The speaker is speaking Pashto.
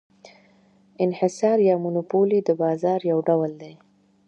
انحصار یا monopoly د بازار یو ډول دی.